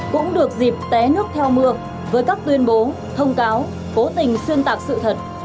cũng được dịp té nước theo mưa với các tuyên bố thông cáo cố tình xuyên tạc sự thật